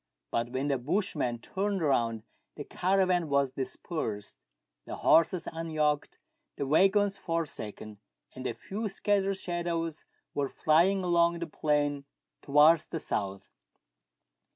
But when the bushman turned round the caravan was dispersed, the horses unyoked, the waggons forsaken, and a few scattered shadows were .flying along the plain towards the south.